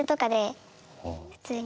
普通に。